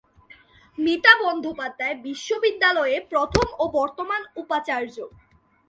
মিতা বন্দ্যোপাধ্যায় বিশ্ববিদ্যালয়ে প্রথম ও বর্তমান উপাচার্য।